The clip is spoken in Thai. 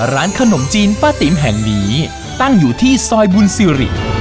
ร้านขนมจีนป้าติ๋มแห่งนี้ตั้งอยู่ที่ซอยบุญสิริ